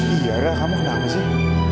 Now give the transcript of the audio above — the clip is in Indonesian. iya ra kamu kenapa sih